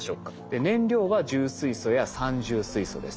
燃料は重水素や三重水素です。